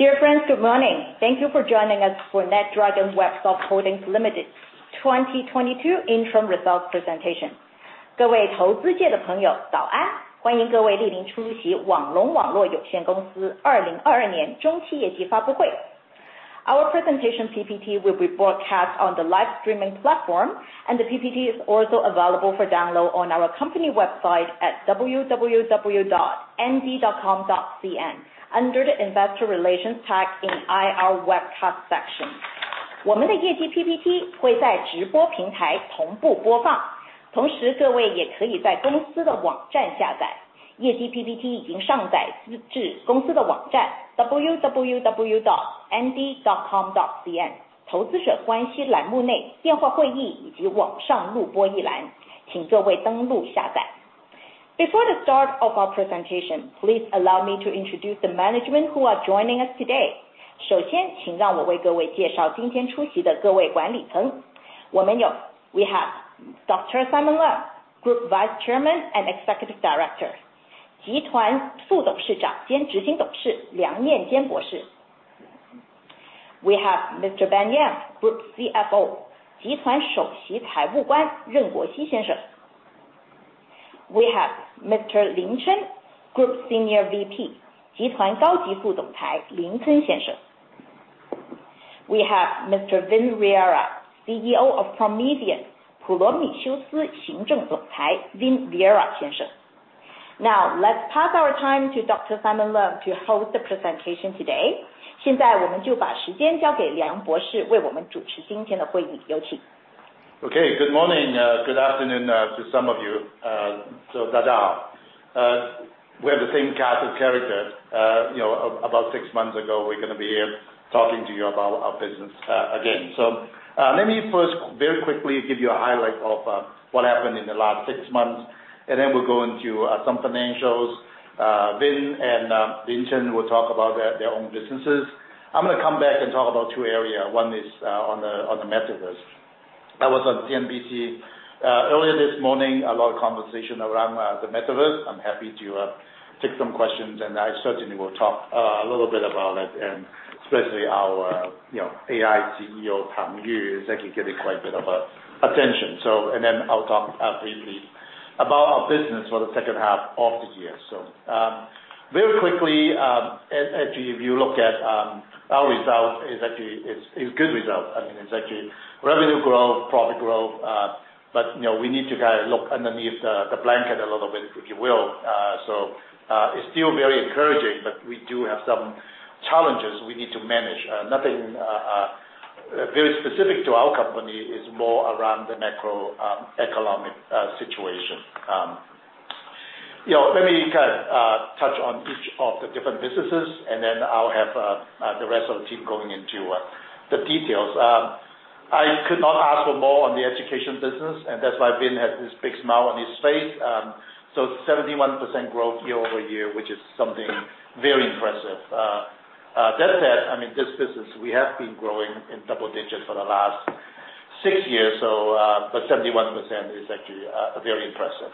Dear friends, good morning. Thank you for joining us for NetDragon Websoft Holdings Limited's 2022 interim results presentation. Our presentation PPT will be broadcast on the live streaming platform, and the PPT is also available for download on our company website at www.nd.com.cn under the Investor Relations tab in IR Webcast section. Before the start of our presentation, please allow me to introduce the management who are joining us today. We have Dr. Simon Leung, Group Vice Chairman and Executive Director. We have Mr. Ben Yam, Group Chief Executive Officer. We have Mr. Lin Chen, Group Senior VP. We have Mr. Vin Riera, Chief Executive Officer of Promethean. Now, let's pass our time to Dr. Simon Leung to host the presentation today. Okay. Good morning, good afternoon, to some of you. Dada, we have the same cast of character. You know, about six months ago, we're gonna be here talking to you about our business, again. Let me first very quickly give you a highlight of what happened in the last six months, and then we'll go into some financials. Vin and Lin Chen will talk about their own businesses. I'm gonna come back and talk about two area. One is on the Metaverse. I was on CNBC earlier this morning, a lot of conversation around the Metaverse. I'm happy to take some questions, and I certainly will talk a little bit about it and especially our, you know, acting Chief Executive Officer, Tang Yu, is actually getting quite a bit of attention. I'll talk briefly about our business for the second half of this year. Very quickly, actually if you look at our result is actually a good result. I mean, it's actually revenue growth, profit growth, but, you know, we need to kinda look underneath the blanket a little bit, if you will. It's still very encouraging, but we do have some challenges we need to manage. Nothing very specific to our company, it's more around the macroeconomic situation. You know, let me kind of touch on each of the different businesses, and then I'll have the rest of the team going into the details. I could not ask for more on the education business, and that's why Vin has this big smile on his face. 71% growth year-over-year, which is something very impressive. That said, I mean, this business, we have been growing in double digits for the last six years, so but 71% is actually very impressive.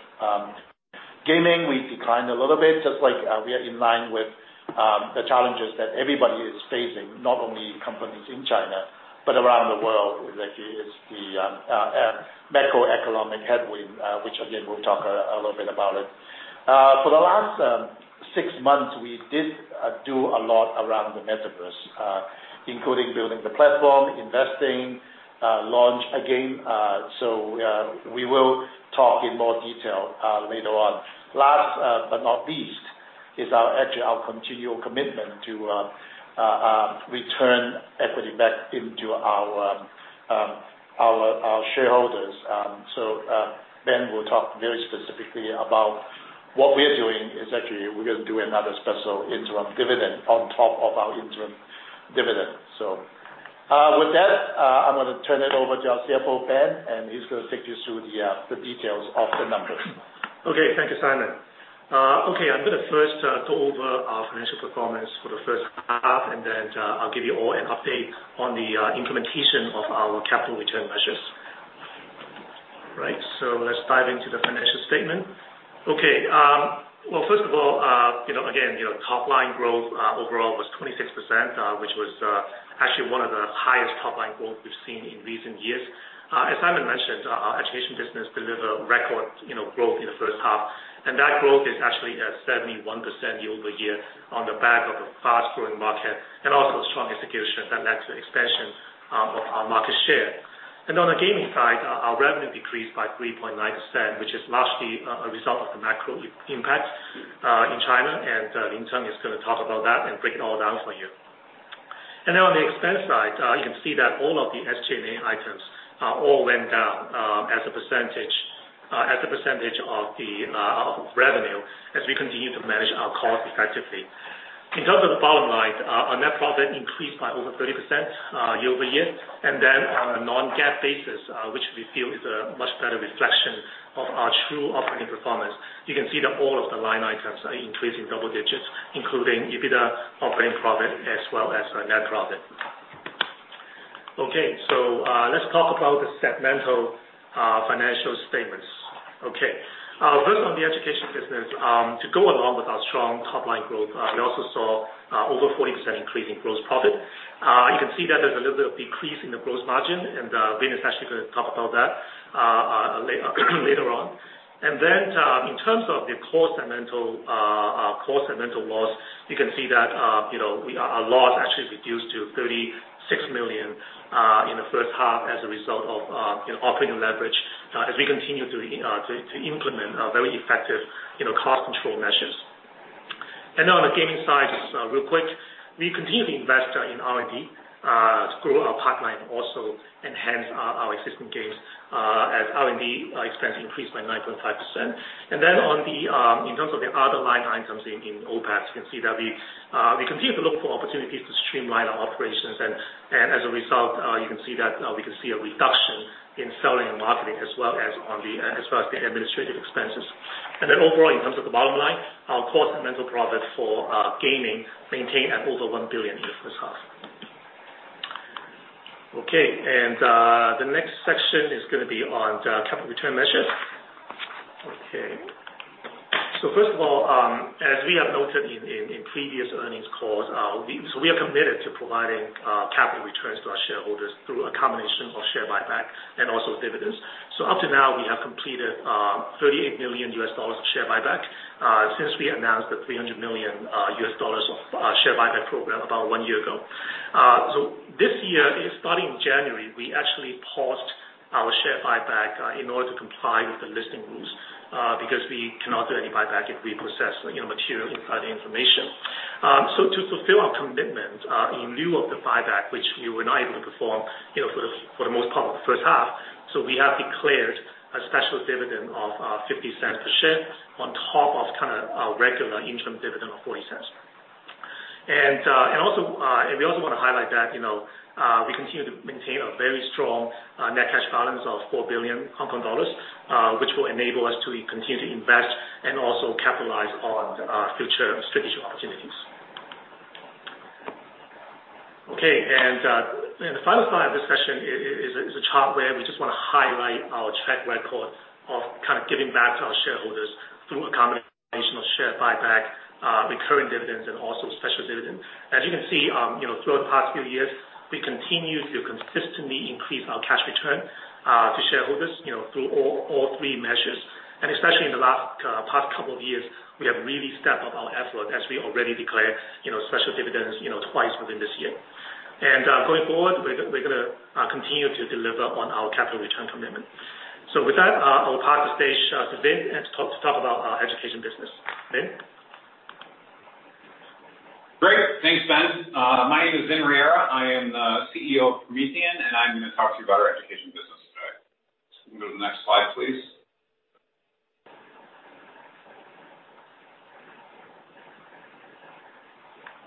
Gaming, we declined a little bit just like we are in line with the challenges that everybody is facing, not only companies in China, but around the world. Actually, it's the macroeconomic headwind, which again, we'll talk a little bit about it. For the last six months, we did do a lot around the Metaverse, including building the platform, investing, launch a game. We will talk in more detail later on. Last but not least is our actually our continual commitment to return equity back into our our shareholders. Ben will talk very specifically about what we're doing is actually we're gonna do another special interim dividend on top of our interim dividend. With that, I'm gonna turn it over to our Chief Executive Officer, Ben, and he's gonna take you through the details of the numbers. Thank you, Simon. I'm gonna first go over our financial performance for the first half, and then I'll give you all an update on the implementation of our capital return measures. Right, let's dive into the financial statement. You know, again, you know, top line growth overall was 26%, which was actually one of the highest top line growth we've seen in recent years. As Simon mentioned, our education business delivered record, you know, growth in the first half, and that growth is actually at 71% year-over-year on the back of a fast-growing market and also the strong execution that led to expansion of our market share. On the gaming side, our revenue decreased by 3.9%, which is largely a result of the macro impact in China, and Lin Chen is gonna talk about that and break it all down for you. On the expense side, you can see that all of the SG&A items all went down as a percentage of revenue as we continue to manage our costs effectively. In terms of the bottom line, our net profit increased by over 30% year-over-year. On a Non-GAAP basis, which we feel is a much better reflection of our true operating performance. You can see that all of the line items are increased in double digits, including EBITDA, operating profit, as well as our net profit. Okay, let's talk about the segmental financial statements. Okay. First on the education business, to go along with our strong top-line growth, we also saw over 40% increase in gross profit. You can see that there's a little bit of decrease in the gross margin, and Vin is actually gonna talk about that, later on. In terms of the core segmental loss, you know, our loss actually reduced to 36 million in the first half as a result of, you know, operating leverage, as we continue to implement very effective, you know, cost control measures. On the gaming side, just real quick, we continue to invest in R&D to grow our pipeline, also enhance our existing games, as R&D expense increased by 9.5%. In terms of the other line items in OPEX, you can see that we continue to look for opportunities to streamline our operations. As a result, you can see that we can see a reduction in selling and marketing as well as the administrative expenses. Then overall, in terms of the bottom line, our core segmental profit for gaming maintained at over 1 billion in the first half. The next section is gonna be on capital return measures. First of all, as we have noted in previous earnings calls, we are committed to providing capital returns to our shareholders through a combination of share buyback and also dividends. Up to now, we have completed $38 million of share buyback since we announced the $300 million of share buyback program about one year ago. This year, starting January, we actually paused our share buyback in order to comply with the listing rules because we cannot do any buyback if we possess, you know, material inside information. To fulfill our commitment in lieu of the buyback, which we were not able to perform, you know, for the most part, the first half, we have declared a special dividend of 0.50 per share on top of kind of our regular interim dividend of 0.40. We also want to highlight that, you know, we continue to maintain a very strong net cash balance of 4 billion Hong Kong dollars, which will enable us to continue to invest and also capitalize on future strategic opportunities. Okay. The final part of this session is a chart where we just wanna highlight our track record of kind of giving back to our shareholders through a combination of share buyback, recurring dividends and also special dividends. As you can see, you know, throughout the past few years, we continue to consistently increase our cash return to shareholders, you know, through all three measures. Especially in the past couple of years, we have really stepped up our effort as we already declared, you know, special dividends, you know, twice within this year. Going forward, we're gonna continue to deliver on our capital return commitment. With that, I will pass the stage to Vin to talk about our education business. Vin? Great. Thanks, Ben. My name is Vin Riera. I am the CEO of Promethean, and I'm gonna talk to you about our education business today. Can we go to the next slide, please?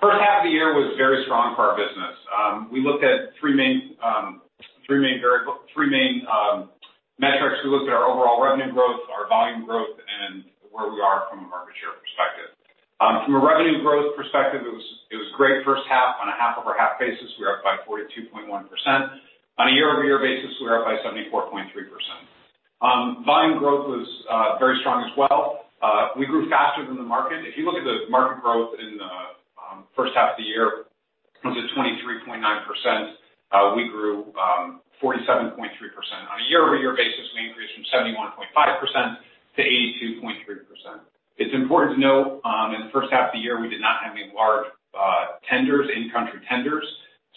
First half of the year was very strong for our business. We looked at three main metrics. We looked at our overall revenue growth, our volume growth, and where we are from a market share perspective. From a revenue growth perspective, it was great first half. On a half-over-half basis, we are up by 42.1%. On a year-over-year basis, we're up by 74.3%. Volume growth was very strong as well. We grew faster than the market. If you look at the market growth in the first half of the year was at 23.9%. We grew 47.3%. On a year-over-year basis, we increased from 71.5% - 82.3%. It's important to note in the first half of the year, we did not have any large tenders, in-country tenders,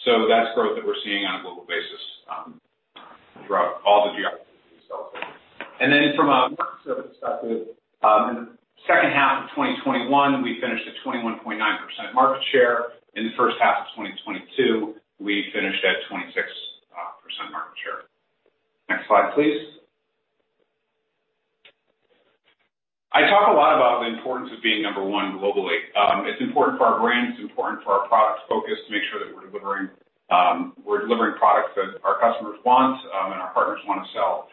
so that's growth that we're seeing on a global basis throughout all the geographies we sell to. From a market share perspective, in the second half of 2021, we finished at 21.9% market share. In the first half of 2022, we finished at 26% market share. Next slide, please. I talk a lot about the importance of being number one globally. It's important for our brand. It's important for our products focus to make sure that we're delivering products that our customers want, and our partners wanna sell.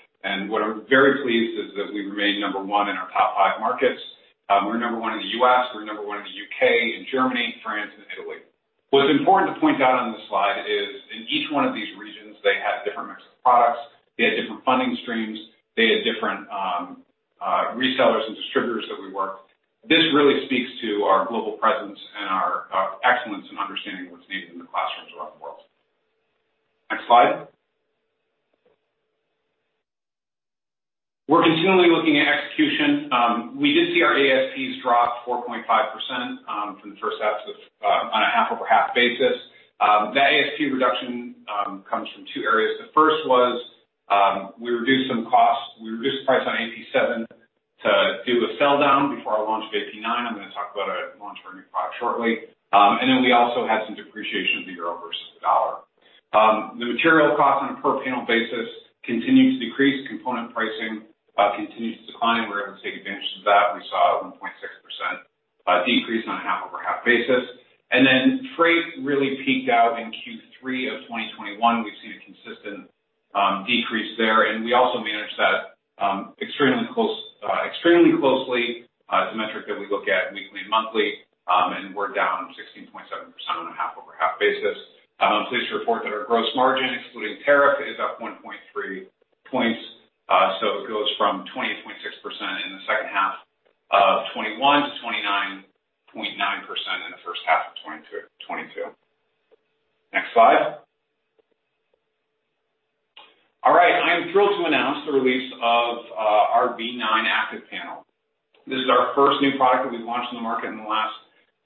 What I'm very pleased is that we remain number 1 in our top five markets. We're number 1 in the U.S., we're number 1 in the U.K., in Germany, France and Italy. What's important to point out on this slide is in each one of these regions, they have different mix of products. They have different funding streams. They have different resellers and distributors that we work. This really speaks to our global presence and our excellence in understanding what's needed in the classrooms around the world. Next slide. We're continually looking at execution. We did see our ASPs drop 4.5% from the first half on a half-over-half basis. That ASP reduction comes from two areas. The first was we reduced some costs. We reduced the price on AP7 to do a sell down before our launch of AP9. I'm gonna talk about our launch of our new product shortly. We also had some depreciation of the euro versus the dollar. The material cost on a per panel basis continued to decrease. Component pricing continued to decline. We were able to take advantage of that. We saw a 1.6% decrease on a half-over-half basis. Freight really peaked out in Q3 of 2021. We've seen a consistent decrease there, and we also managed that extremely closely. It's a metric that we look at weekly and monthly, and we're down 16.7% on a half-over-half basis. I'm pleased to report that our gross margin, excluding tariff, is up 1.3 points. It goes from 20.6% in the second half of 2021 - 29.9% in the first half of 2022. Next slide. All right, I am thrilled to announce the release of our V9 ActivPanel. This is our first new product that we've launched in the market in the last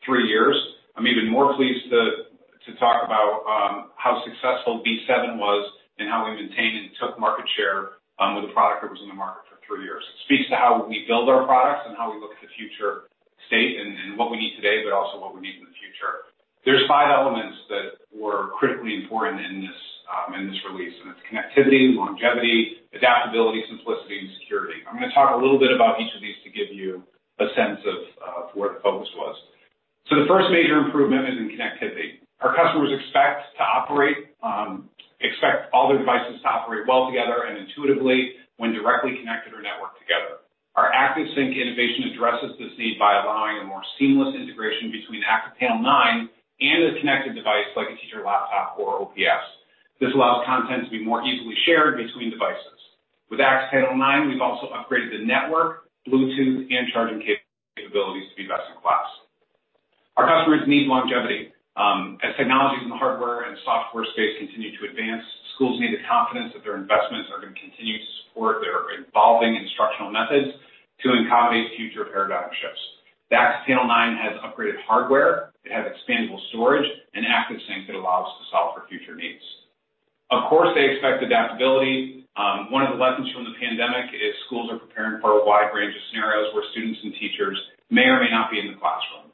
three years. I'm even more pleased to talk about how successful V7 was and how we maintained and took market share with a product that was in the market for three years. It speaks to how we build our products and how we look at the future state and what we need today, but also what we need in the future. There are five elements that were critically important in this, in this release, and it's connectivity, longevity, adaptability, simplicity, and security. I'm gonna talk a little bit about each of these to give you a sense of where the focus was. The first major improvement is in connectivity. Our customers expect all their devices to operate well together and intuitively when directly connected or networked together. Our ActivSync innovation addresses this need by allowing a more seamless integration between ActivPanel nine and a connected device like a teacher laptop or OPS. This allows content to be more easily shared between devices. With ActivPanel nine, we've also upgraded the network, Bluetooth, and charging capabilities to be best in class. Our customers need longevity. As technologies in the hardware and software space continue to advance, schools need the confidence that their investments are gonna continue to support their evolving instructional methods to accommodate future paradigm shifts. The ActivPanel nine has upgraded hardware. It has expandable storage and ActivSync that allows to solve for future needs. Of course, they expect adaptability. One of the lessons from the pandemic is schools are preparing for a wide range of scenarios where students and teachers may or may not be in the classroom.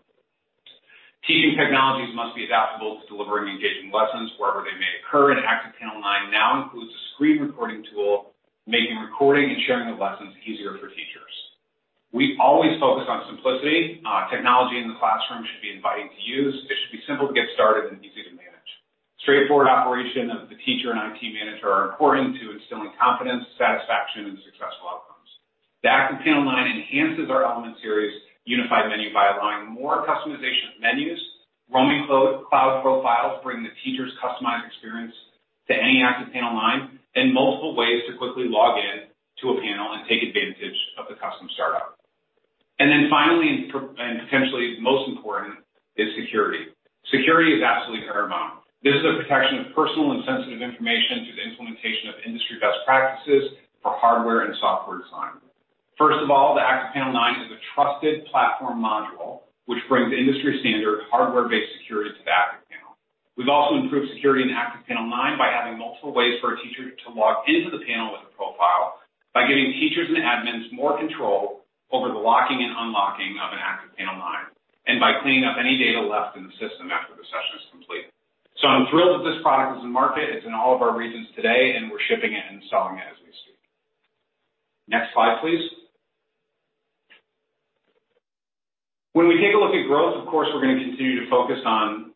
Teaching technologies must be adaptable to delivering engaging lessons wherever they may occur, and ActivPanel nine now includes a screen recording tool, making recording and sharing of lessons easier for teachers. We always focus on simplicity. Technology in the classroom should be inviting to use. It should be simple to get started and easy to manage. Straightforward operation of the teacher and IT manager are important to instilling confidence, satisfaction, and successful outcomes. The ActivPanel nine enhances our Element Series unified menu by allowing more customization of menus, roaming cloud profiles bring the teacher's customized experience to any ActivPanel nine, and multiple ways to quickly log in to a panel and take advantage of the custom startup. Finally, and potentially most important, is security. Security is absolutely paramount. This is the protection of personal and sensitive information through the implementation of industry best practices for hardware and software design. First of all, the ActivPanel nine is a trusted platform module, which brings industry-standard hardware-based security to the ActivPanel. We've also improved security in the ActivPanel nine by having multiple ways for a teacher to log into the panel with a profile by giving teachers and admins more control over the locking and unlocking of an ActivPanel nine, and by cleaning up any data left in the system after the session is complete. I'm thrilled that this product is in market. It's in all of our regions today, and we're shipping it and selling it as we speak. Next slide, please. When we take a look at growth, of course, we're gonna continue to focus on,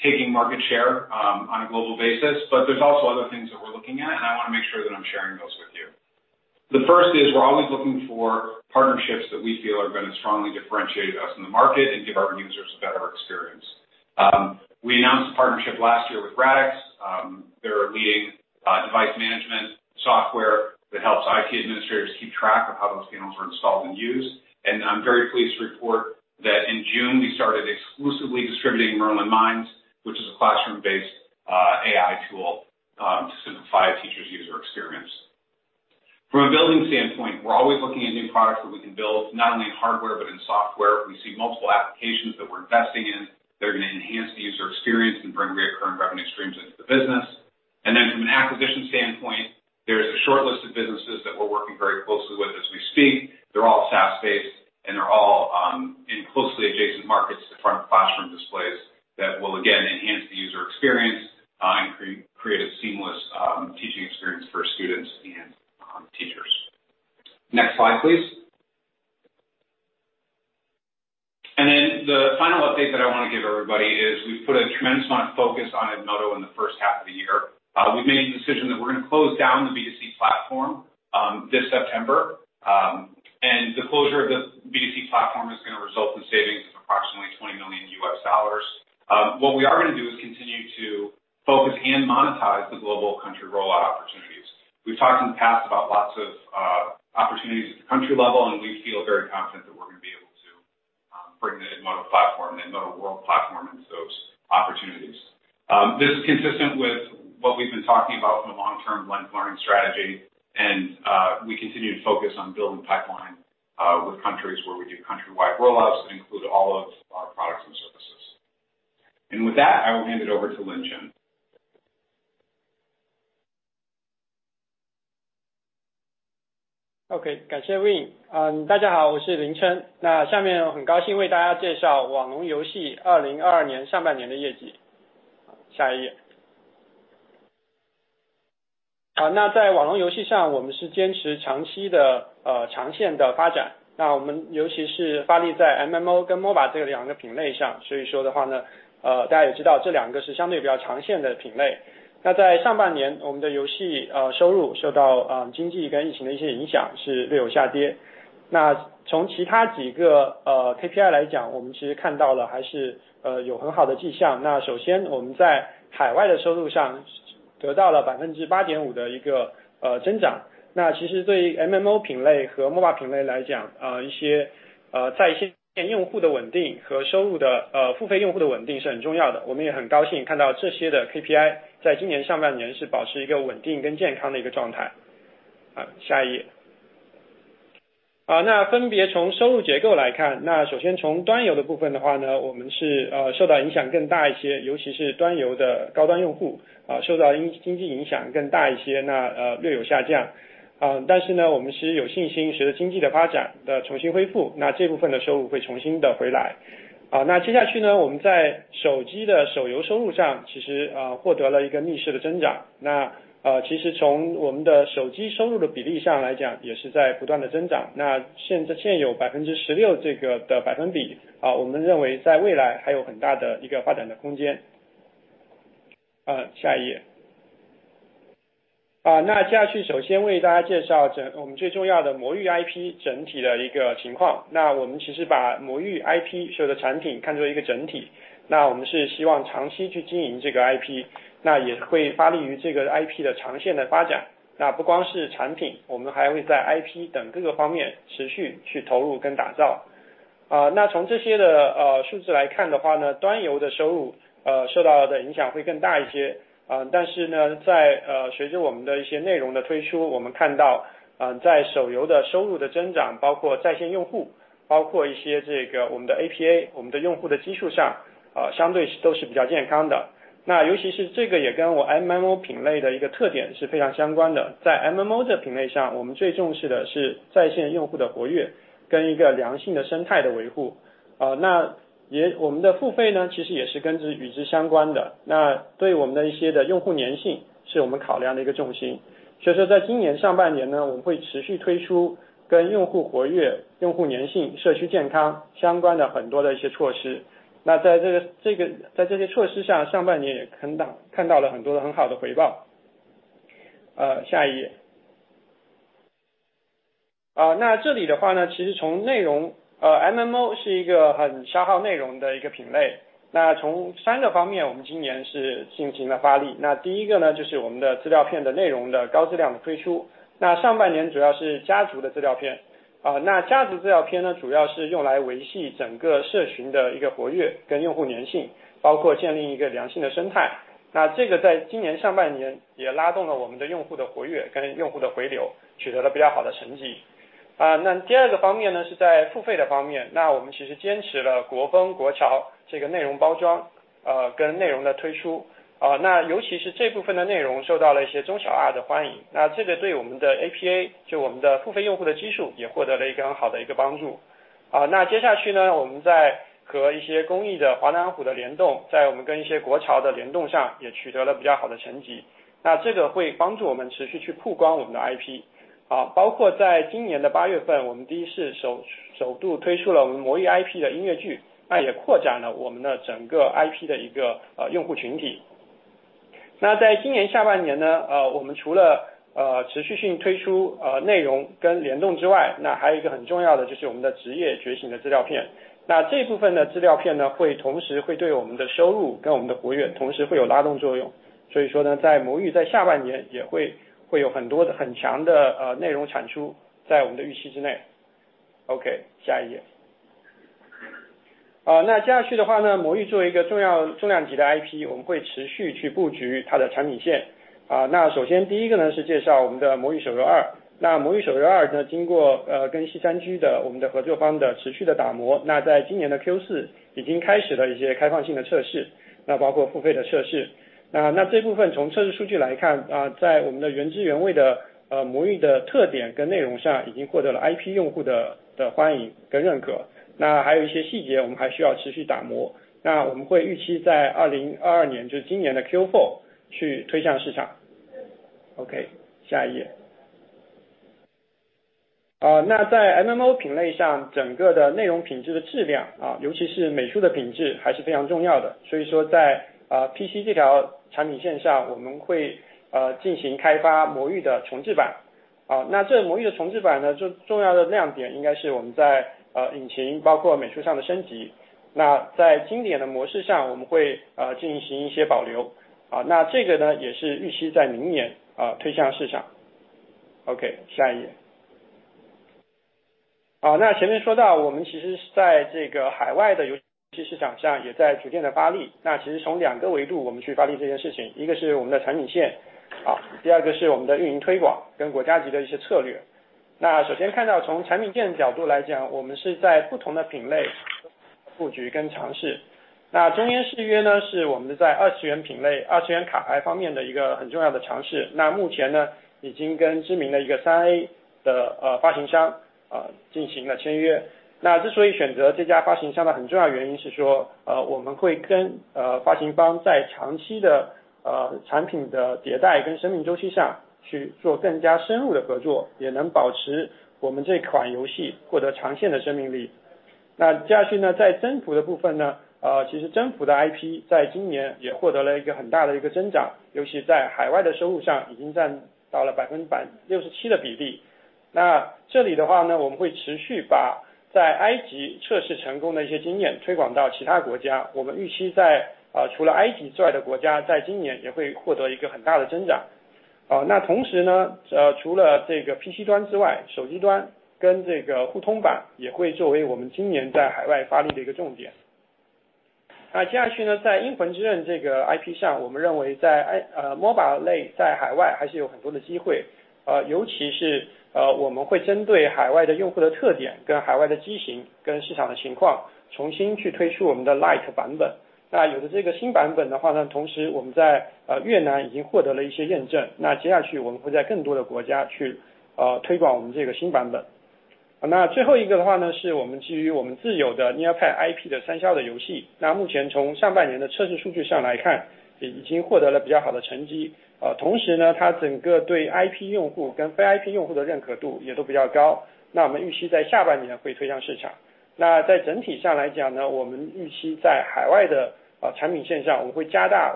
taking market share, on a global basis, but there's also other things that we're looking at, and I wanna make sure that I'm sharing those with you. The first is we're always looking for partnerships that we feel are gonna strongly differentiate us in the market and give our users a better experience. We announced a partnership last year with Radix. They're a leading device management software that helps IT administrators keep track of how those panels are installed and used. I'm very pleased to report that in June, we started exclusively distributing Merlyn Mind, which is a classroom-based AI tool to simplify a teacher's user experience. From a building standpoint, we're always looking at new products that we can build, not only in hardware but in software. We see multiple applications that we're investing in that are gonna enhance the user experience and bring recurring revenue streams into the business. From an acquisition standpoint, there is a short list of businesses that we're working very closely with as we speak. They're all SaaS-based, and they're all in closely adjacent markets to front of classroom displays that will again enhance the user experience, and create a seamless teaching experience for students and teachers. Next slide, please. The final update that I wanna give everybody is we've put a tremendous amount of focus on Edmodo in the first half of the year. We've made the decision that we're gonna close down the B2C platform this September. The closure of the B2C platform is gonna result in savings of approximately $20 million. What we are gonna do is continue to focus and monetize the global country rollout opportunities. We've talked in the past about lots of opportunities at the country level, and we feel very confident that we're gonna be able to bring the Edmodo platform and Edmodo World platform into those opportunities. This is consistent with what we've been talking about from a long-term lens learning strategy, and we continue to focus on building pipeline with countries where we do countrywide rollouts that include all of our products and services. With that, I will hand it over to Lin Chen. Okay.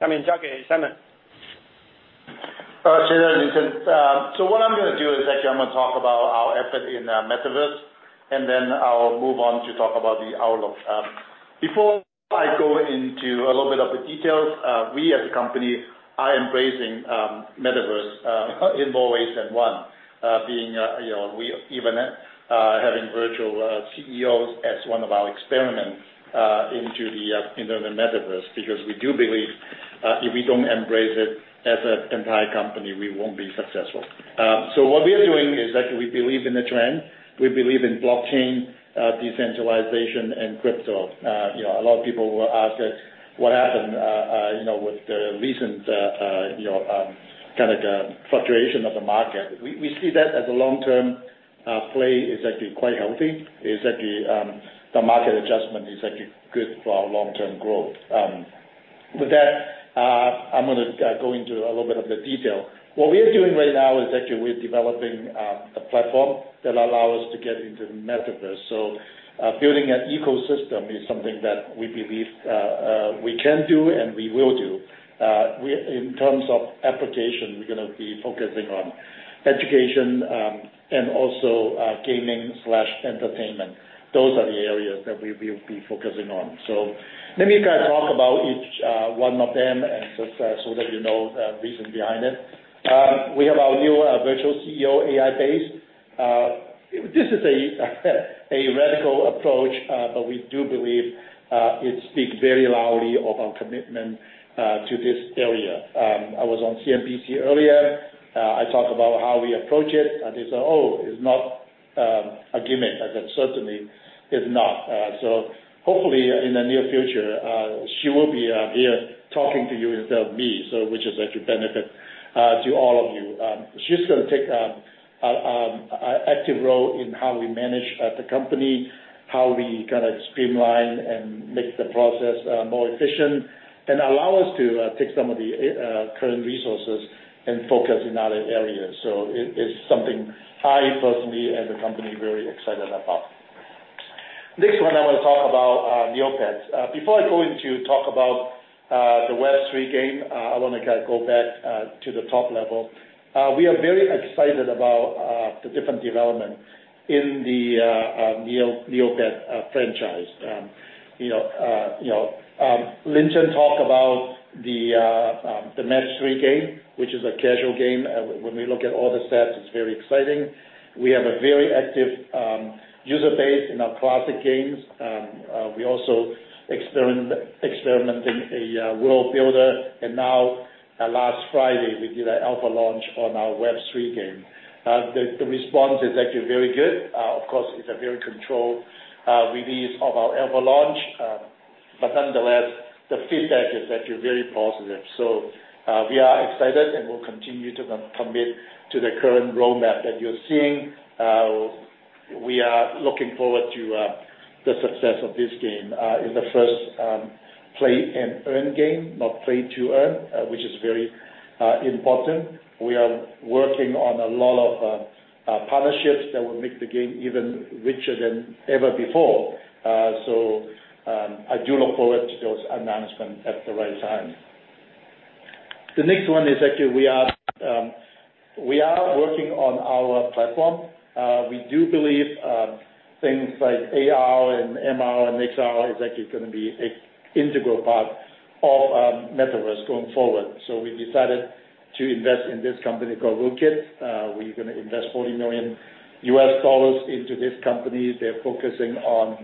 Xie xie, Vin Riera. What I'm gonna do is actually I'm gonna talk about our effort in the Metaverse, and then I'll move on to talk about the outlook. Before I go into a little bit of the details, we as a company are embracing Metaverse in more ways than one, being, you know, we even having virtual CEOs as one of our experiment into the Metaverse, because we do believe if we don't embrace it as an entire company, we won't be successful. What we are doing is that we believe in the trend, we believe in blockchain, decentralization, and crypto. You know, a lot of people will ask that what happened, you know, with the recent, you know, kind of the fluctuation of the market. We see that as a long-term play that is actually quite healthy. The market adjustment is actually good for our long-term growth. With that, I'm gonna go into a little bit of the detail. What we are doing right now is actually we're developing a platform that allows us to get into the Metaverse. Building an ecosystem is something that we believe we can do and we will do. In terms of application, we're gonna be focusing on education and also gaming/entertainment. Those are the areas that we will be focusing on. Let me kind of talk about each one of them so that you know the reason behind it. We have our new virtual Chief Executive Officer AI-based. This is a radical approach, but we do believe it speaks very loudly of our commitment to this area. I was on CNBC earlier, I talked about how we approach it, and they say, "Oh, it's not a gimmick." I said, "Certainly is not." Hopefully in the near future, she will be here talking to you instead of me, so which is actually benefit to all of you. She's gonna take an active role in how we manage the company, how we kinda streamline and make the process more efficient, and allow us to take some of the current resources and focus in other areas. It is something I personally and the company very excited about. Next one I wanna talk about Neopets. Before I go into talk about the Web three game, I wanna kinda go back to the top level. We are very excited about the different development in the Neopets franchise. You know, you know, Lin Chen talk about the Match-three game, which is a casual game. When we look at all the stats it's very exciting. We have a very active user base in our classic games. We also experimenting a world builder and now last Friday we did a alpha launch on our Web three game. The response is actually very good. Of course, it's a very controlled release of our alpha launch. But nonetheless, the feedback is actually very positive. We are excited, and we'll continue to commit to the current roadmap that you're seeing. We are looking forward to the success of this game in the first play and earn game, not play to earn, which is very important. We are working on a lot of partnerships that will make the game even richer than ever before. I do look forward to those announcement at the right time. The next one is actually we are working on our platform. We do believe things like AR and MR and XR is actually gonna be an integral part of Metaverse going forward. We decided to invest in this company called Vuzix. We're gonna invest $40 million into this company. They're focusing on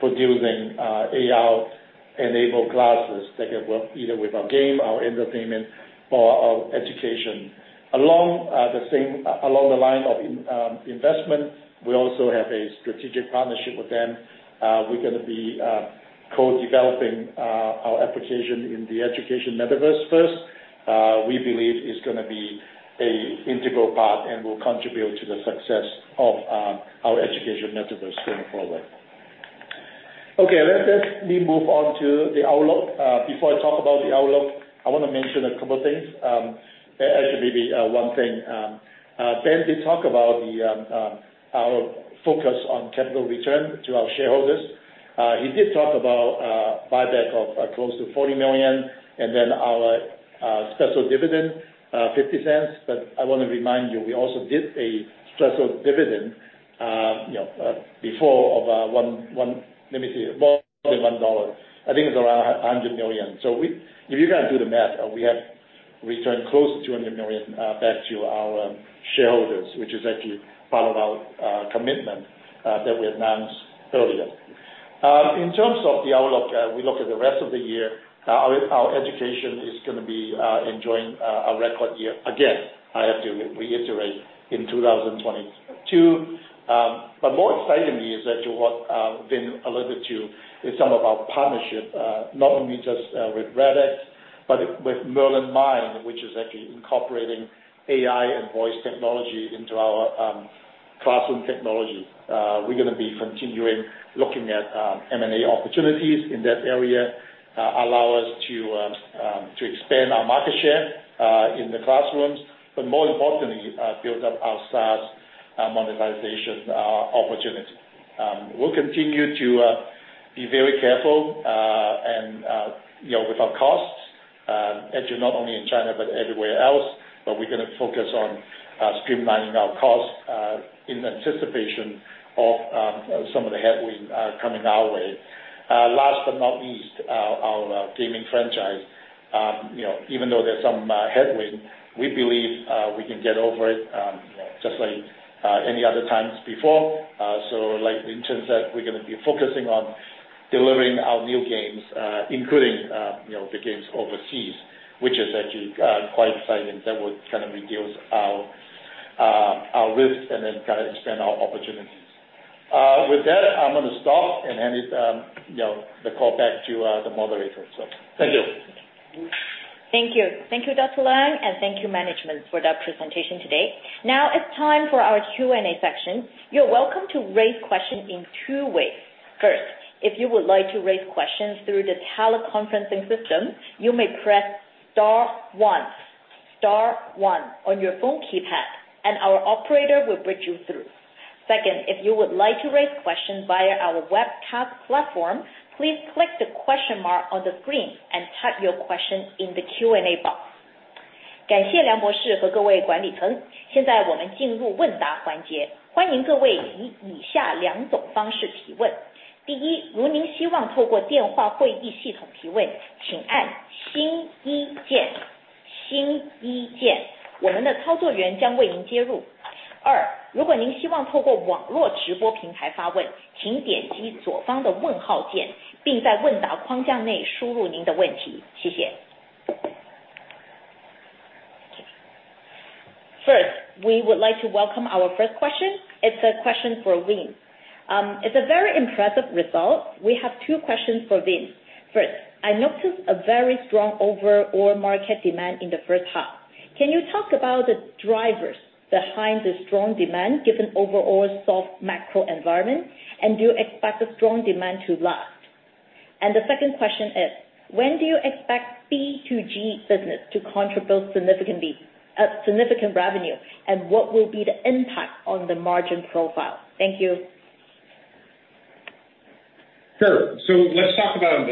producing AR-enabled glasses that can work either with our game, our entertainment or education. Along the same lines of investment, we also have a strategic partnership with them. We're gonna be co-developing our application in the education Metaverse first. We believe it's gonna be an integral part and will contribute to the success of our education Metaverse going forward. Okay, let me move on to the outlook. Before I talk about the outlook, I wanna mention a couple things. Actually maybe one thing. Ben did talk about our focus on capital return to our shareholders. He did talk about buyback of close to 40 million and then our special dividend 0.50, but I wanna remind you, we also did a special dividend, you know, before of more than 1 dollar. I think it's around 100 million. If you guys do the math, we have returned close to 200 million back to our shareholders, which is actually part of our commitment that we announced earlier. In terms of the outlook, we look at the rest of the year, our education is gonna be enjoying a record year again, I have to reiterate, in 2022. More excitingly is actually what Ben alluded to, is some of our partnership not only just with Radix, but with Merlyn Mind, which is actually incorporating AI and voice technology into our classroom technology. We're gonna be continuing looking at M&A opportunities in that area allow us to to expand our market share in the classrooms, but more importantly build up our SaaS monetization opportunity. We'll continue to be very careful and you know with our costs actually not only in China but everywhere else, but we're gonna focus on streamlining our costs in anticipation of some of the headwind coming our way. Last but not least, our gaming franchise. You know, even though there's some headwind, we believe we can get over it just like any other times before. Like Lin Chen said, we're gonna be focusing on delivering our new games, including, you know, the games overseas, which is actually quite exciting. That will kinda reduce our risk and then kinda expand our opportunities. With that, I'm gonna stop and hand it, you know, the call back to the moderator. Thank you. Thank you. Thank you, Simon Leung, and thank you management for that presentation today. Now it's time for our Q&A section. You're welcome to raise question in two ways. First, if you would like to raise questions through the teleconferencing system, you may press star one, star one on your phone keypad, and our operator will bridge you through. Second, if you would like to raise questions via our webcast platform, please click the question mark on the screen and type your question in the Q&A box. We would like to welcome our first question. It's a question for Vin Riera. It's a very impressive result. We have two questions for Vin Riera. First, I noticed a very strong overall market demand in the first half. Can you talk about the drivers behind the strong demand given overall soft macro environment, and do you expect the strong demand to last? The second question is, when do you expect B2G business to contribute significant revenue, and what will be the impact on the margin profile? Thank you. Sure. Let's talk about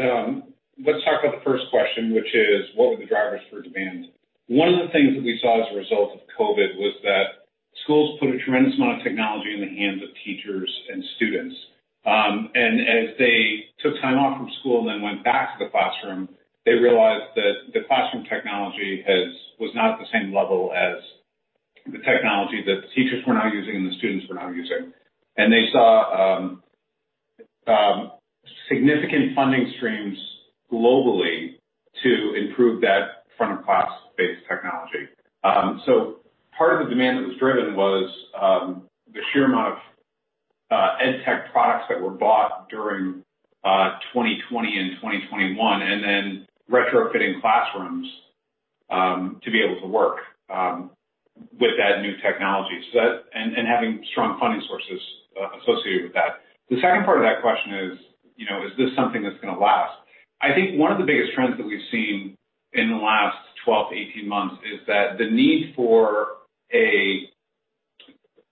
the first question, which is what were the drivers for demand. One of the things that we saw as a result of COVID was that schools put a tremendous amount of technology in the hands of teachers and students. As they took time off from school and then went back to the classroom, they realized that the classroom technology was not at the same level as the technology that the teachers were now using and the students were now using. They saw significant funding streams globally to improve that front-of-class-based technology. Part of the demand that was driven was the sheer amount of ed tech products that were bought during 2020 and 2021, and then retrofitting classrooms to be able to work with that new technology. Having strong funding sources associated with that. The second part of that question is, you know, is this something that's gonna last? I think one of the biggest trends that we've seen in the last 12-18 months is that the need for an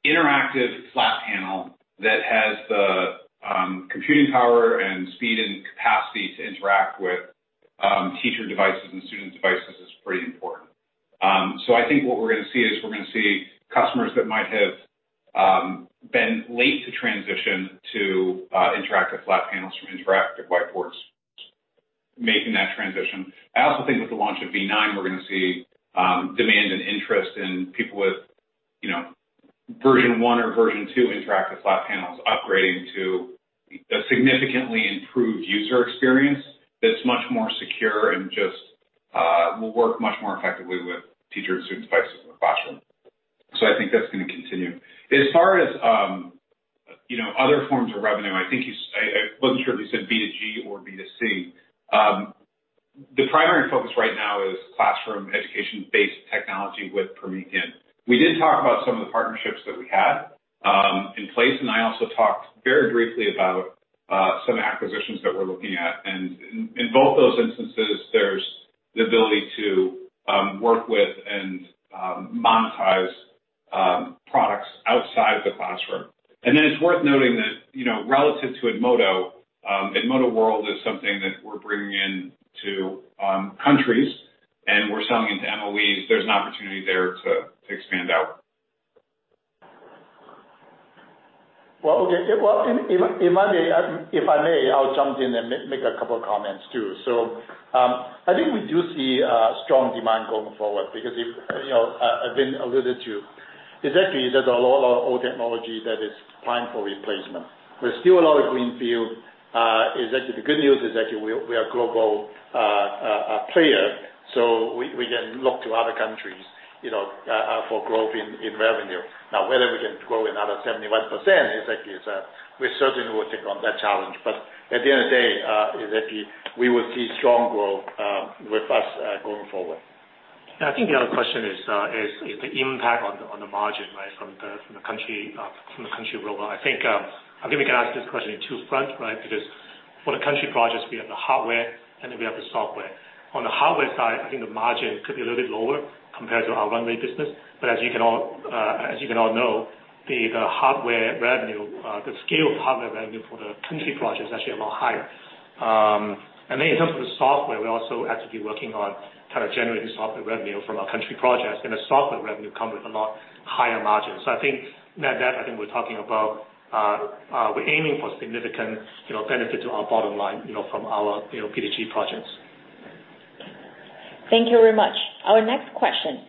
interactive flat panel that has the computing power and speed and capacity to interact with teacher devices and student devices is pretty important. I think what we're gonna see is, we're gonna see customers that might have been late to transition to interactive flat panels from interactive whiteboards making that transition. I also think with the launch of V9, we're gonna see demand and interest in people with, you know, version one or version two interactive flat panels upgrading to a significantly improved user experience that's much more secure and just will work much more effectively with teacher and student devices in the classroom. I think that's gonna continue. As far as you know, other forms of revenue, I think I wasn't sure if you said B2G or B2C. The primary focus right now is classroom education-based technology with Promethean. We did talk about some of the partnerships that we had in place, and I also talked very briefly about some acquisitions that we're looking at. In both those instances, there's the ability to work with and monetize products outside of the classroom. It's worth noting that, you know, relative to Edmodo World is something that we're bringing in to countries, and we're selling into MOEs. There's an opportunity there to expand out. If I may, I'll jump in and make a couple of comments too. I think we do see strong demand going forward because, as Vin Riera alluded to, exactly there's a lot of old technology that is time for replacement. There's still a lot of greenfield. The good news is actually we're a global player, so we can look to other countries, you know, for growth in revenue. Now, whether we can grow another 71% is actually, we certainly will take on that challenge. At the end of the day, we will see strong growth with us going forward. I think the other question is the impact on the margin, right, from the country and global. I think we can ask this question in two fronts, right? Because for the country projects, we have the hardware and then we have the software. On the hardware side, I think the margin could be a little bit lower compared to our runway business. As you can all know, the hardware revenue, the scaled hardware revenue for the country project is actually a lot higher. In terms of the software, we also actually working on kind of generating software revenue from our country projects, and the software revenue come with a lot higher margins. I think net-net, I think we're talking about, we're aiming for significant, you know, benefit to our bottom line, you know, from our, you know, B2G projects. Thank you very much. Our next question.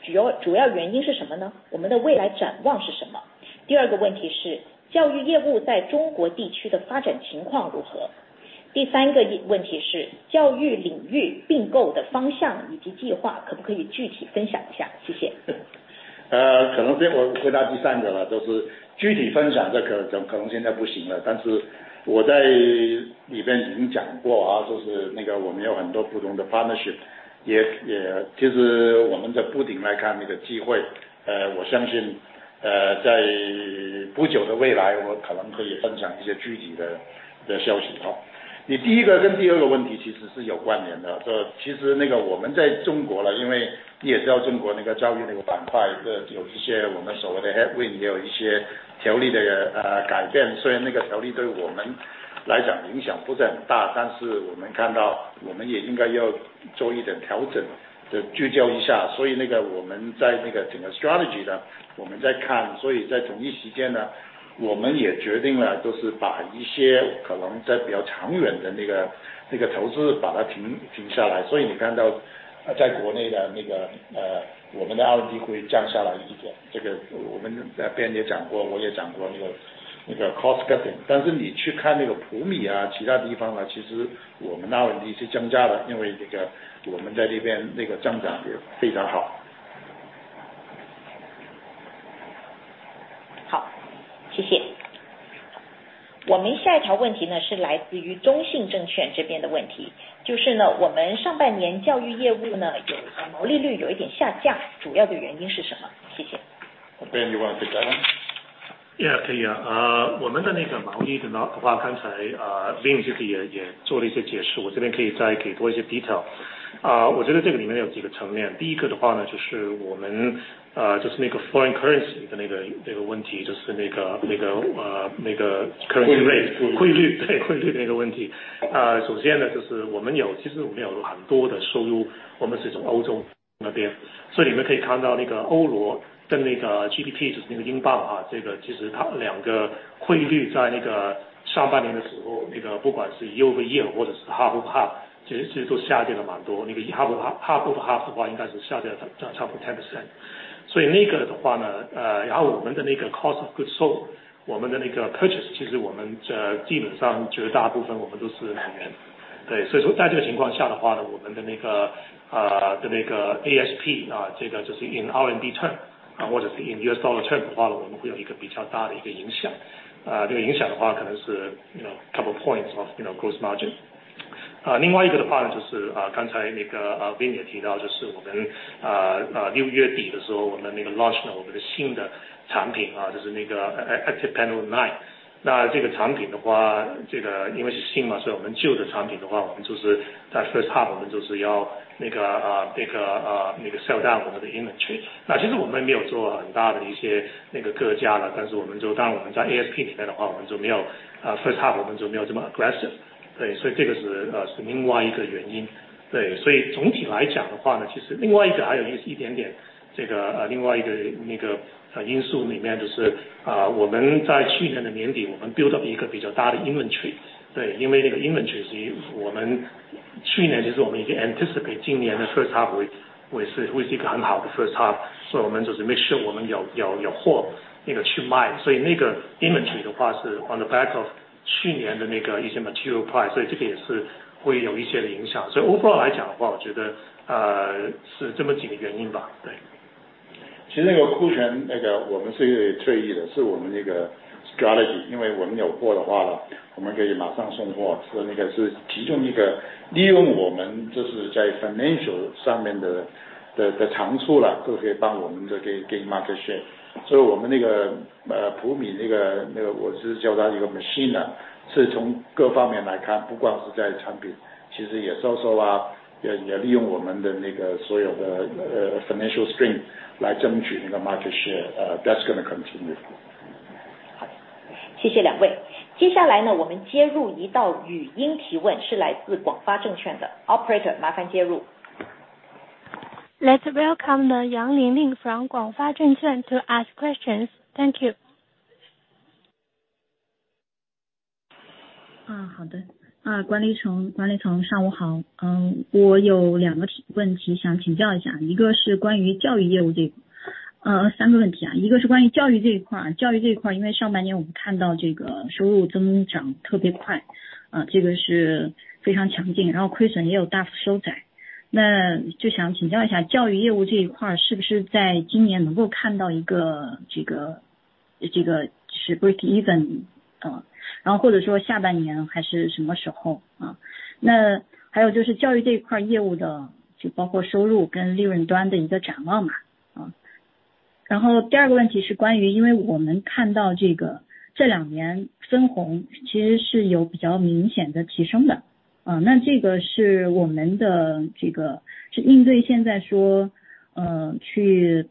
在国内的，我们的R&D会降下来一点，这个我们在这边也讲过，我也讲过，那个cost cutting。但是你去看那个普罗米休斯啊，其他地方呢，其实我们的R&D是增加的，因为这个我们在这边那个增长也非常好。好，谢谢。我们下一条问题呢，是来自于中信证券这边的问题，就是呢我们上半年教育业务呢有毛利率有一点下降，主要的原因是什么？谢谢。Ben Yam, you want to take that one? 可以啊。我们的那个毛利的话，刚才Vin自己也做了一些解释，我这边可以再给多一些detail。我觉得这个里面有几个层面，第一个的话呢，就是我们，就是那个foreign currency的那个问题，就是那个currency rate- 汇率。汇率，对，汇率那个问题。首先呢，就是我们有，其实我们有很多的收入，我们是从欧洲那边，所以你们可以看到那个欧罗跟那个GBP，就是那个英镑啊，这个其实它两个汇率在那个上半年的时候，那个不管是year over year或者是half over half，其实都下跌了蛮多，那个half over half，half over half的话，应该是下跌将差不多10%。所以那个的话呢，然后我们的那个cost of goods sold，我们的那个purchase，其实我们这基本上绝大部分我们都是美元，对，所以在这种情况下的话呢，我们的那个ASP，这个就是in RMB term或者是in U.S. dollar term的话呢，我们会有一个比较大的一个影响，这个影响的话可能是you know，couple points of you know gross margin。另外一个的话呢，就是刚才那个Vin也提到，就是我们六月底的时候，我们那个launch了我们的新的产品啊，就是那个ActivPanel 9，那这个产品的话，这个因为是新嘛，所以我们旧的产品的话，我们就是在first half我们就是要那个sell down我们的inventory。那其实我们也没有做很大的一些，那个搁架了，但是我们就当我们在ASP里面的话，我们就没有，first half我们就没有这么aggressive，对，所以这个是另外一个原因。对，所以总体来讲的话呢，其实另外一个还有一点点，这个另外一个，那个因素里面就是，我们在去年的年底，我们build出一个比较大的inventory，对，因为这个inventory是我们去年就是我们已经anticipate今年的first half会，会是一个很好的first half，所以我们就是make sure我们有货，那个去卖。所以那个inventory的话是on the back of去年的那个一些material price，所以这个也是会有一些影响。所以overall来讲的话，我觉得是这么几个原因吧，对。其实这个库存，我们是略略退一的，是我们这个strategy，因为我们有货的话呢，我们可以马上送货，是其中一个利用我们就是在financial上面的长处啦，就可以帮我们这个gain market share。所以我们那个普罗米修斯，我是叫他一个machine啦，是从各方面来看，不光是在产品，其实也销售啊，也利用我们的所有的financial strength来争取那个market share，that's going to continue。好，谢谢两位。接下来呢，我们接入一道语音提问，是来自广发证券的。Operator，麻烦接入。让我们欢迎广发证券的杨玲玲来提问。谢谢。好的，管理层上午好。我有两个问题想请教一下，一个是关于教育业务这... 三个问题啊，一个是关于教育这一块，教育这一块，因为上半年我们看到这个收入增长特别快，这个是非常强劲，然后亏损也有大幅收窄。那就想请教一下教育业务这一块是不是在今年能够看到一个这个break even，然后或者说下半年还是什么时候？那还有就是教育这一块业务的，就包括收入跟利润端的一个展望吧。然后第二个问题是关于因为我们看到这个这两年分红其实是有比较明显的提升的，那这个是我们的这个是应对现在说，去保持股价或者市值的这样一个措施，还是说是一个比较长期的这样一个规划？然后第三个问题是关于游戏，因为游戏今年上半年因为也受到这个整体外部环境的一个影响，包括版号的一些因素吧，那怎么去展望下半年的一些新游戏的一个表现？ 其实那个我们几个问题都其实刚才讲过了，可能没有那么深入，所以我先请林晨谈谈那个游戏下半年跟明年那个情况，然后我回来就说一下那个教育的问题哈。林晨。游戏这边的话，下半年我们预期的情况是会比上半年有所改善。因为第一个，其实上半年我们没有推出新游戏，那在下半年的话，我们会有魔域手游2的上线，那这部分会为我们带来一些收入上的增量。那第二个部分的话，从目前的一些数据来看，我们的生态跟消费的数据还是保持一个稳定的情况，那从数据上来看，也会比上半年会略好。那这个部分的话，也可以请Ben做一些补充，因为从财务的数据的预期上来讲，我们还是预期下半年会比上半年有所增长。OK，谢谢，那个我就回答其他的问题了哦。第一个是我先回答那个分红的问题，其实那个我在，我跟其实Ben，Ben跟我都谈到这个事情，其实你记得我们在大概一年前吧，Ben，是不是？我们就是宣布了，我们会花在三年，三年内，就花大概三个亿来做那个buyback，这个是我们一个capital return的一个方式啦哦。但是Ben也讲了，我们其实已经开始在做buyback，就做了大概四千万，但是有一些香港交易所条例的问题，我们需要把这个行动停掉。所以呢，我们就用另外一个方法来return那个capital给我们的股东，所以我们就采取了一个就是special dividend的方法，这个不是那个对股价的那个问题。当然我们觉得要是这样做就对股价有帮助了，但是最重要是我们的commitment给我们所有股东的承诺，我们要实现，要是不会buyback的话，我们就分红。回到那个教育来讲，我们现在这个forecast应该是明年我们会break even，那个上半年当然这个增长非常好，71%，但是这个没有可能是下半年也是维持在同一个增长的方面，所以那个我们还是有好的增长，但是不会那么高。所以那个我们现在的forecast是在明年我们会break even。好的，谢谢。有请operator接入平安证券的问题。谢谢。你好，您的声音已打开，请提问。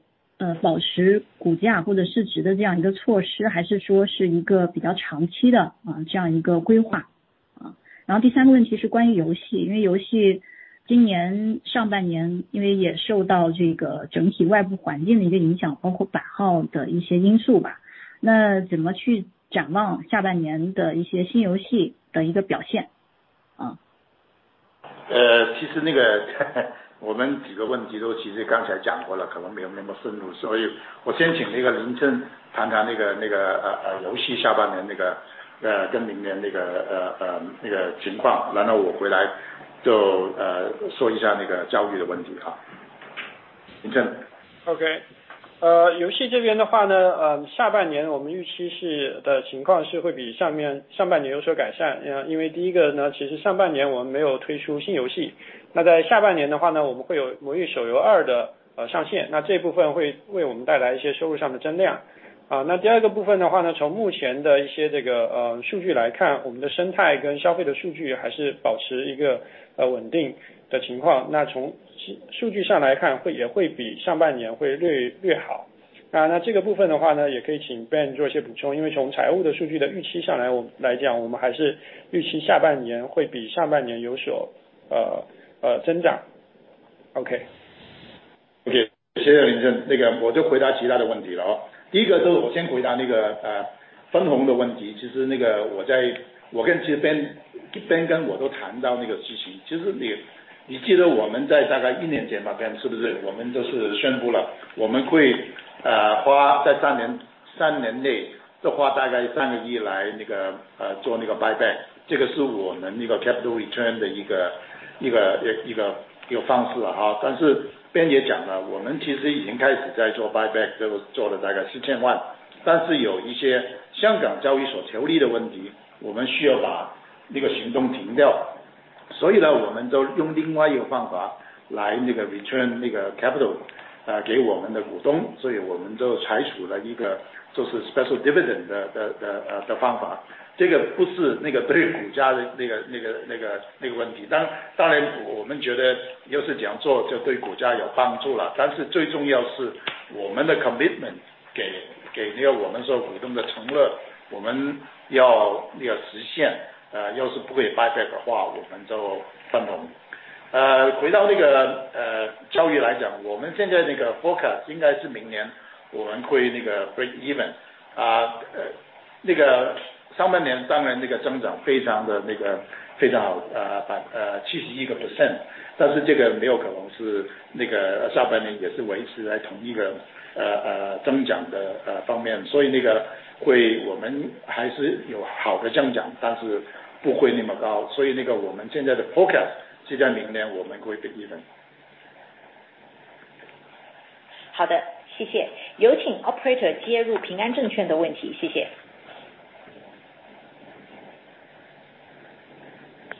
不好意思，你第二个跟第三个问题都听不到。有点不太清楚，那个声音可不可以稍微慢一点点再问一次？不好意思。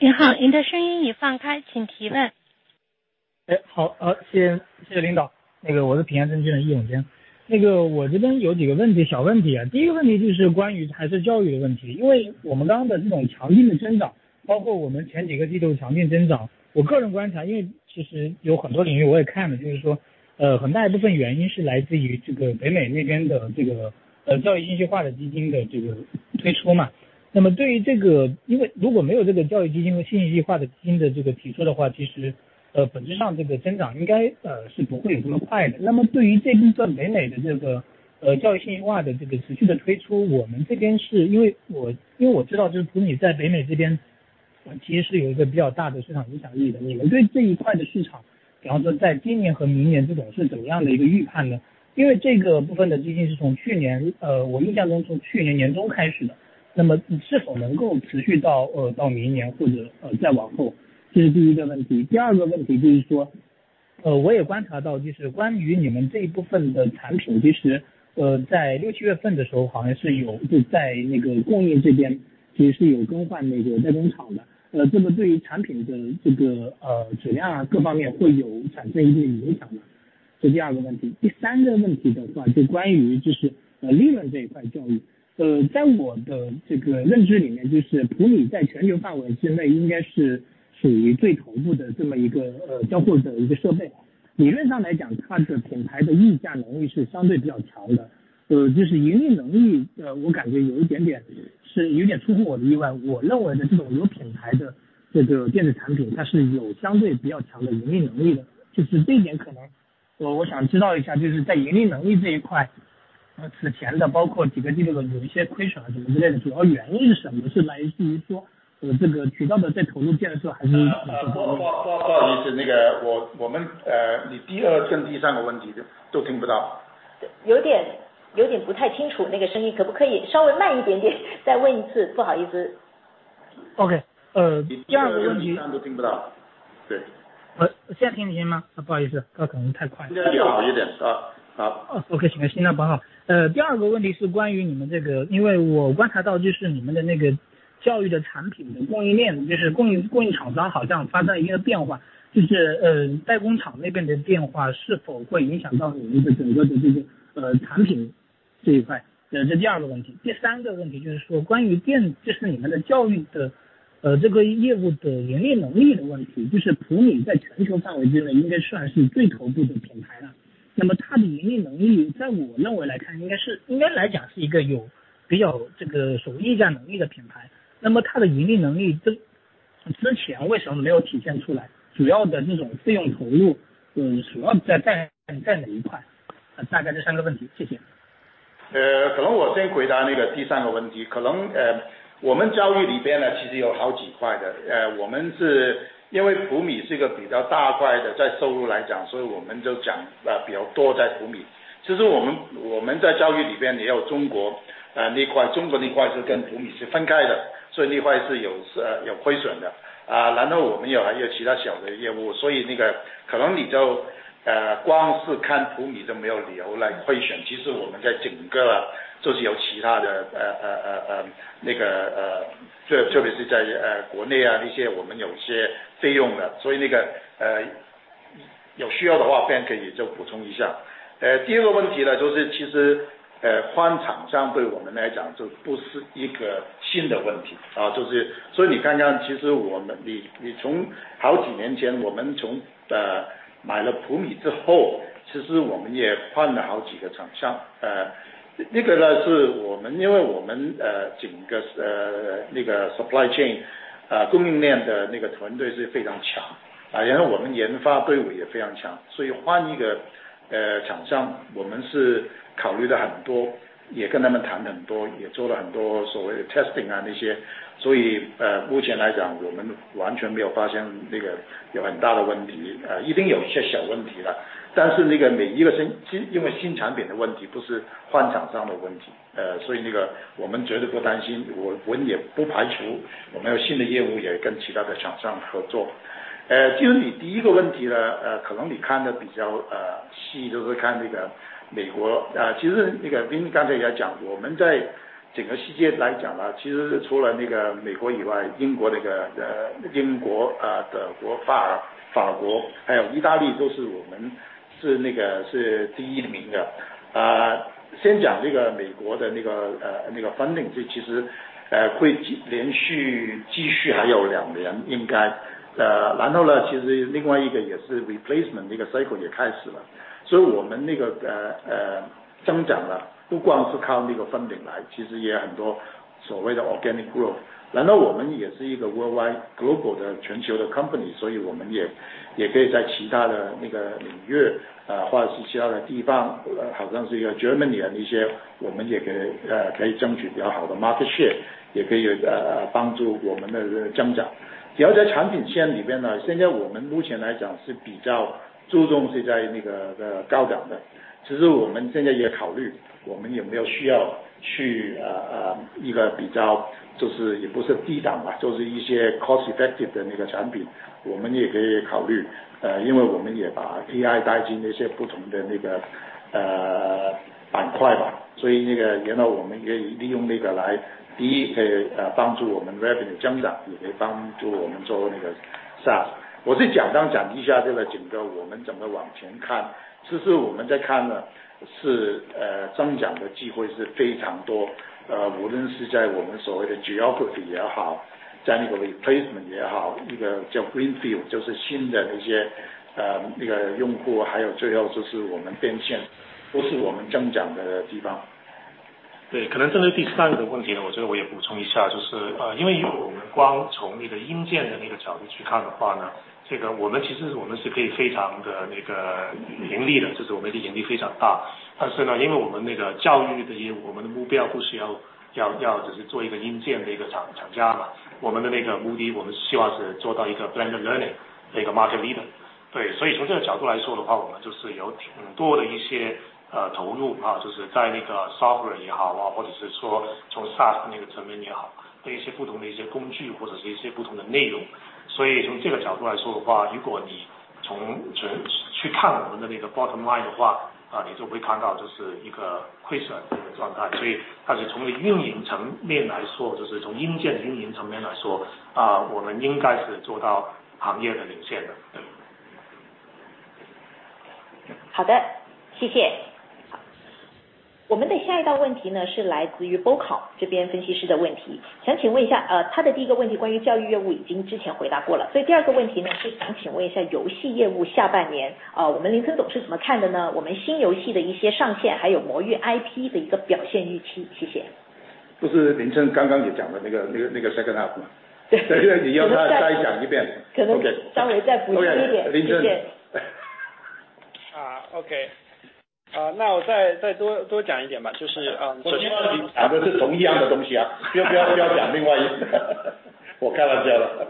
第二个问题—— 都听不到。对。现在听得清吗？不好意思，可能太快。现在好一点，啊，好。growth。然后我们也是一个worldwide share，也可以帮助我们的增长。只要在产品线里边呢，现在我们目前来讲是比较注重是在那个高档的，其实我们现在也考虑，我们有没有需要去一个比较就是也不是低档吧，就是一些cost blended learning 的 market leader。對，所以從這個角度來說的話，我們就是有很多的一些投入啊，就是在那個 software 也好啊，或者是說從 SaaS 那個層面也好，對一些不同的工具，或者是一些不同的內容。所以從這個角度來說的話，如果你只去看我們的那個 bottom line 的話，你就會看到這是一個虧損的狀態。但是從運營層面來說，就是從硬件運營層面來說，我們應該是做到行業的領先的。好的，謝謝。我們的下一道問題呢，是來自於Bank of China International這邊分析師的問題，想請問一下，他的第一個問題關於教育業務已經之前回答過了，所以第二個問題呢是想請問一下遊戲業務下半年啊，我們林晨總是怎麼看的呢？我們新遊戲的一些上線，還有魔域IP的一個表現預期，謝謝。不是，林晨剛剛也講了那個 second half 嗎？ 對你要他再講一遍。可能稍微再補充一點。OK，林晨。那我再多講一點吧，就是啊—— 我希望你講的是同一樣的東西啊，不要，不要，不要講另外一個。我開玩笑的。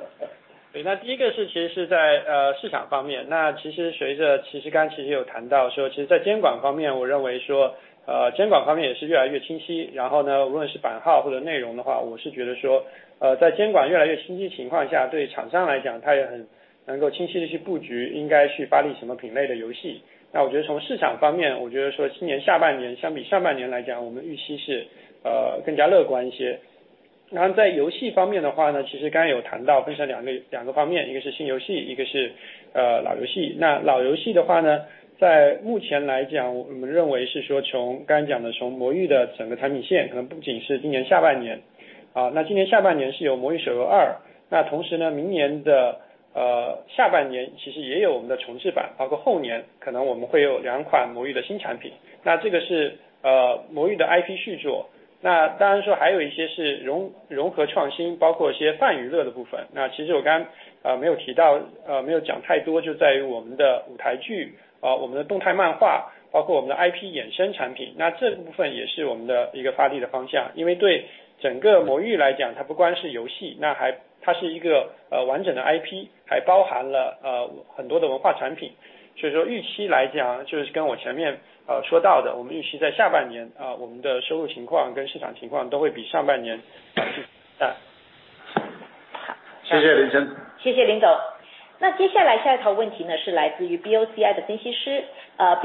謝謝林晨。謝謝林總。那接下來下一道問題呢，是來自於Bank of China International的分析師。Bank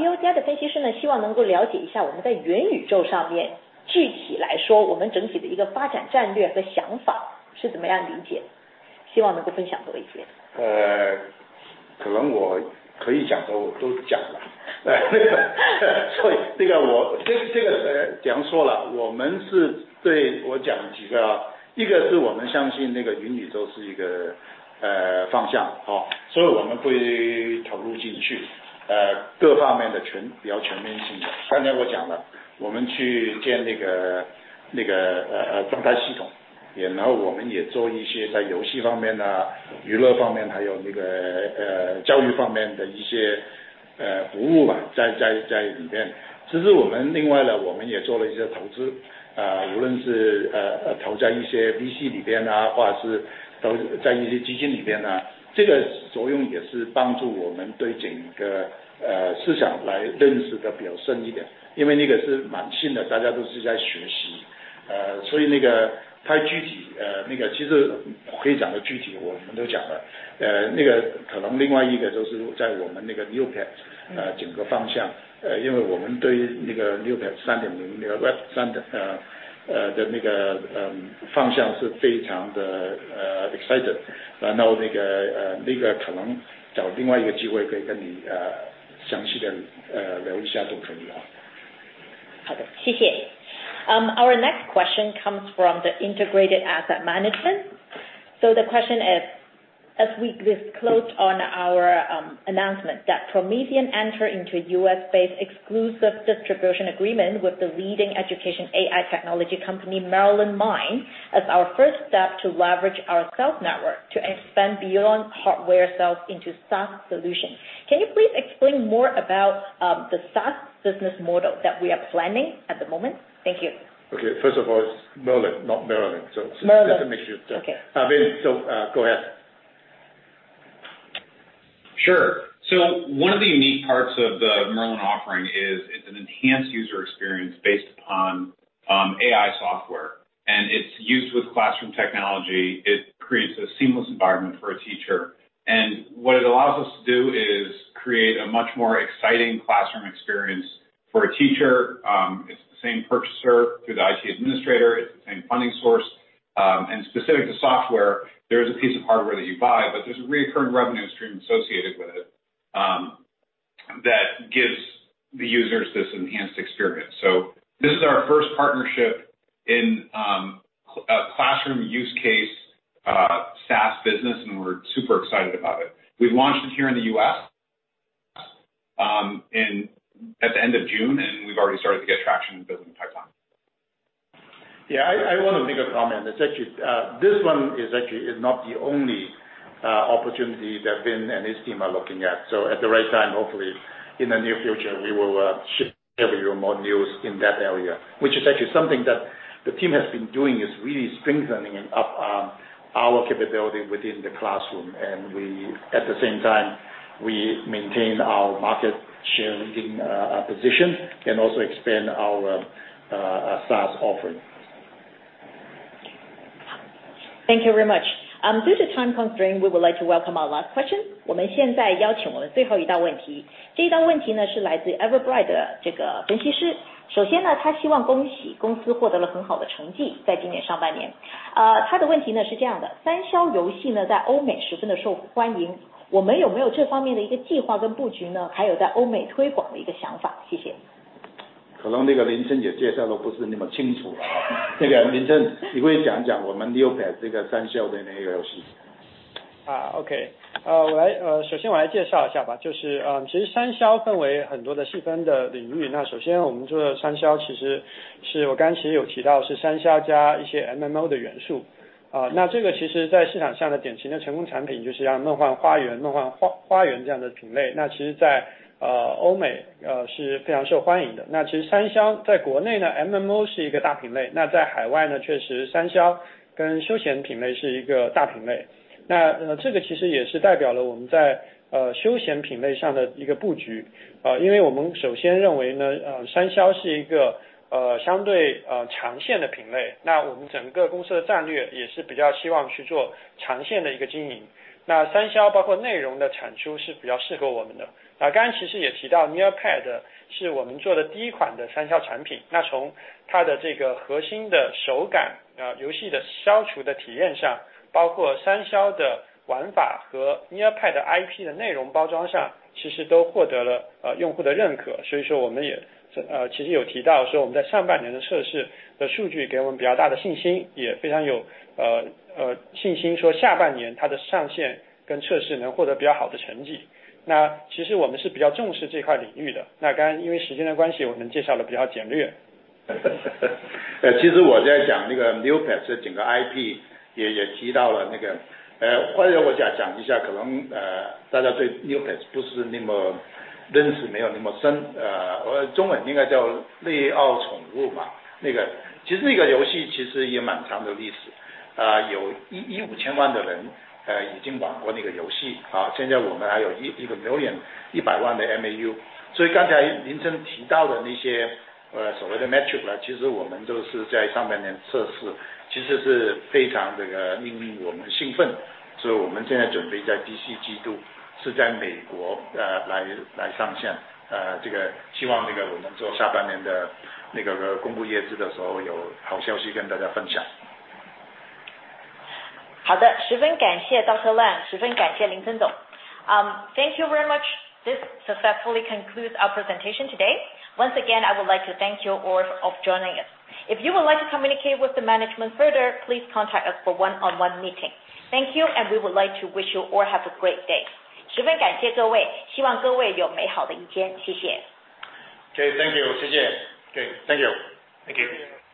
of China International的分析師呢，希望能夠了解一下我們在元宇宙上面，具體來說我們整體的一個發展戰略和想法是怎麼樣理解，希望能夠分享多一些。好的，谢谢。Our next question comes from Integrated Asset Management. The question is as we disclose on our announcement that Promethean enter into U.S.-based exclusive distribution agreement with the leading education AI technology company Merlyn Mind as our first step to leverage our sales network to expand beyond hardware sales into SaaS solutions. Can you please explain more about the SaaS business model that we are planning at the moment? Thank you. Okay，first of all，it's Merlyn，not Marilyn。Merlyn。Just to make sure. Okay。Go ahead. Sure. One of the unique parts of the Merlyn offering is it's an enhanced user experience based upon AI software, and it's used with classroom technology. It creates a seamless environment for a teacher, and what it allows us to do is create a much more exciting classroom experience for a teacher. It's the same purchaser through the IT administrator, it's the same funding source, and specific to software, there is a piece of hardware that you buy, but there's a recurring revenue stream associated with it, that gives the users this enhanced experience. This is our first partnership in classroom use case, SaaS business, and we're super excited about it. We've launched it here in the U.S., at the end of June, and we've already started to get traction building pipeline. Yeah, I want to make a comment. It's actually this one is not the only opportunity that Ben Yam and his team are looking at. At the right time hopefully in the near future we will share with you more news in that area, which is actually something that the team has been doing is really strengthening and ramping up our capability within the classroom, and at the same time we maintain our market share leading position, and also expand our SaaS offering. Thank you very much. Due to time constraint, we would like to welcome our last question. 我们现在邀请我们的最后一道问题，这一道问题呢是来自Everbright IP的内容包装上，其实都获得了用户的认可。所以说我们也其实有提到说我们在上半年的测试的数据给我们比较大的信心，也非常有信心说下半年它的上线跟测试能获得比较好的成绩。那其实我们是比较重视这块领域的，那刚刚因为时间的关系，我们介绍得比较简略。其实我在讲那个 Neopets 整个 IP，也提到了那个，或者我讲讲一下，可能大家对 Neopets 不是那么认识，没有那么深，中文应该叫利奥宠物吧。那个其实这个游戏其实也蛮长的历史，啊有一亿五千万的人已经玩过这个游戏，好，现在我们还有一个 million，一百万的 MAU。所以刚才林晨提到的那些所谓的 metric 呢，其实我们都是在上半年测试，其实是非常令我们兴奋。所以我们现在准备在第四季度是在美国来上线，这个希望这个我们做下半年的那个公布业绩的时候，有好消息跟大家分享。好的，十分感谢 Simon Leung，十分感谢林晨总。Thank you very much. This successfully concludes our presentation today. Once again, I would like to thank you all of joining us. If you would like to communicate with the management further, please contact us for one on one meeting. Thank you, and we would like to wish you all have a great day. 十分感谢各位，希望各位有美好的一天。谢谢。Okay，thank you。谢谢。Okay，thank you。Thank you.